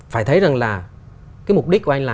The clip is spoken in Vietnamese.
phải thấy rằng là cái mục đích của anh là